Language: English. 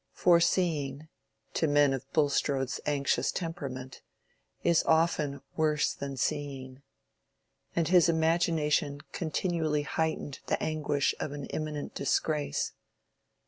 Foreseeing, to men of Bulstrode's anxious temperament, is often worse than seeing; and his imagination continually heightened the anguish of an imminent disgrace.